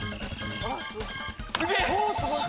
すげえ。